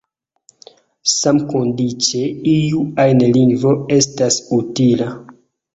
Samkondiĉe iu ajn lingvo estas utila.